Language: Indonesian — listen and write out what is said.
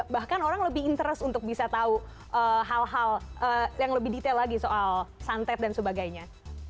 bahkan orang lebih interest untuk bisa tahu hal hal yang lebih detail lagi soal santet dan sebagainya